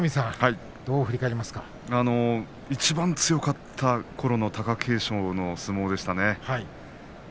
いちばん強かったころの貴景勝の相撲でしたね。